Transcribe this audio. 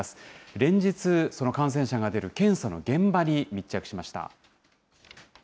連日、その感染者が出る検査の現場に密着しました。